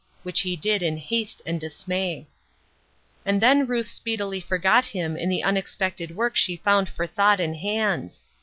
Which he did in haste and dismay. And then Ruth speedily forgot him in the un expected work she found for thought and hands.